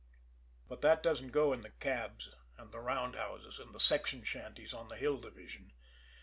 But that doesn't go in the cabs, and the roundhouses, and the section shanties on the Hill Division.